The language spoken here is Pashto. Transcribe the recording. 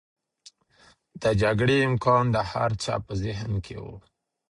د جګړې امکان د هر چا په ذهن کې و.